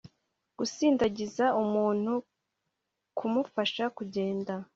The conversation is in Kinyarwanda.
gusindagiza umuntu kwumufasha kugenda